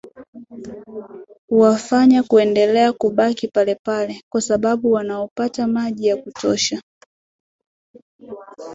huwafanya kuendelea kubaki palepale kwa sababu wanapata maji ya kutosha